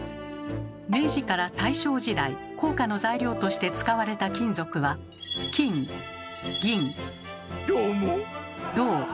明治から大正時代硬貨の材料として使われた金属はどーも。